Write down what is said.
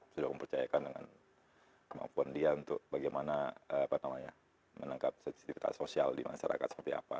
sudah mempercayakan dengan kemampuan dia untuk bagaimana menangkap sensitivitas sosial di masyarakat seperti apa